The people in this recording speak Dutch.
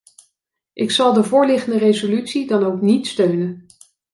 Ik zal de voorliggende resolutie dan ook niet steunen.